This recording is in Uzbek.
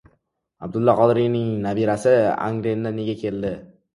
Abdulla Qodiriyning nabirasi Angrenga nega keldi?